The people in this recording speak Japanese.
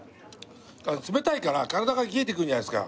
冷たいから体が冷えてくるじゃないですか。